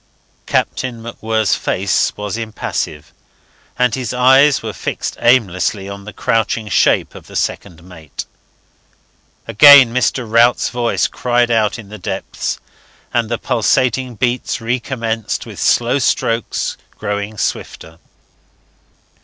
Captain MacWhirr's face was impassive, and his eyes were fixed aimlessly on the crouching shape of the second mate. Again Mr. Rout's voice cried out in the depths, and the pulsating beats recommenced, with slow strokes growing swifter.